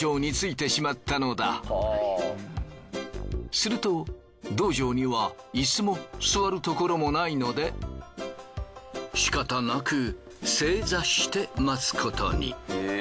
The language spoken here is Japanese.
すると道場にはイスも座るところもないのでしかたなく正座して待つことに。